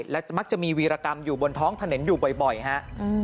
และมักจะมีวีรกรรมอยู่บนท้องถนนอยู่บ่อยฮะ